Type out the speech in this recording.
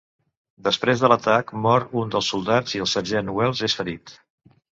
Després de l'atac mor un dels soldats i el sergent Wells és ferit.